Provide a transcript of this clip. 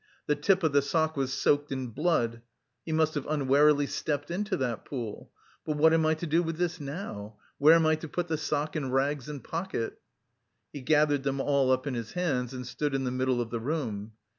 The tip of the sock was soaked with blood;" he must have unwarily stepped into that pool.... "But what am I to do with this now? Where am I to put the sock and rags and pocket?" He gathered them all up in his hands and stood in the middle of the room.